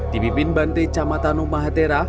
di bipin bante camatano mahatera